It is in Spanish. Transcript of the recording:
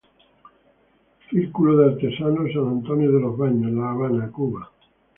Círculo de Artesanos, San Antonio de los Baños, La Habana, Cuba.